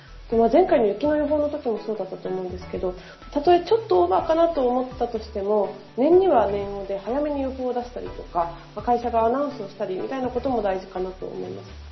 前回の雪の予報のときもそうだったと思うんですけど、たとえちょっとオーバーかなと思ったとしても、念には念をで、早めに予定を出したりとか、会社がアナウンスをしたりとかみたいなことも大事かなと思います。